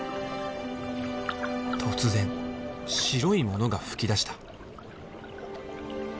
突然白いものが噴き出した。